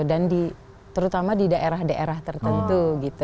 dan terutama di daerah daerah tertentu